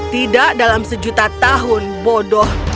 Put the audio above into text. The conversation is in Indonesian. tidak dalam sejuta tahun bodoh